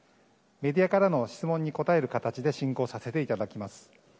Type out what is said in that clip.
メディアからの質問に答える形で進行させていただきます。